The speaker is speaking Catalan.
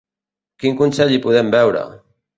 Quin consell hi podem veure?